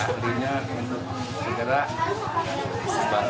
yang akhirnya untuk segera membantu